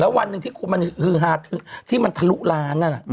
แล้ววันหนึ่งที่มันคือหาดที่มันทะลุล้านนั่น